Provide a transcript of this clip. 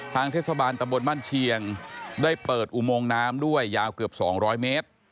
เทศบาลตำบลบ้านเชียงได้เปิดอุโมงน้ำด้วยยาวเกือบ๒๐๐เมตร